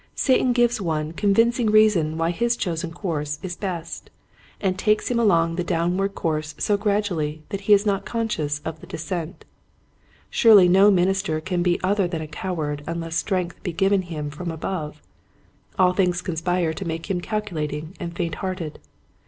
Satan gives one convincing reason why his chosen course is best, 52 Quiet Hints to Growing Preachers. and takes him along the downward course so gradually he is not conscious of the descent. Surely no minister can be other than a coward unless strength be given him from above. All things conspire to make him calculating and faint hearted.